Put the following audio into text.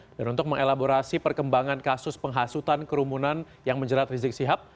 dan untuk mengelaborasi perkembangan kasus penghasutan kerumunan yang menjerat rizik shihab